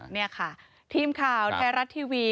นี่ค่ะทีมข่าวไทยรัฐทีวี